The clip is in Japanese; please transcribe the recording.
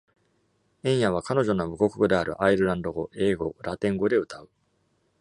エンヤは彼女の母国語であるアイルランド語、英語、ラテン語で歌う。